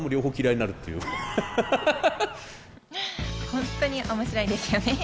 本当に面白いですよね。